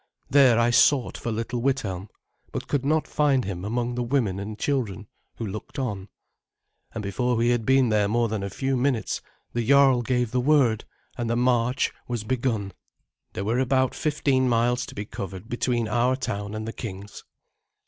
There I sought for little Withelm, but could not find him among the women and children who looked on; and before we had been there more than a few minutes the jarl gave the word, and the march was begun. There were about fifteen miles to be covered between our town and the king's.